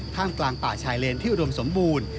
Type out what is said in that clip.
กลางป่าชายเลนที่อุดมสมบูรณ์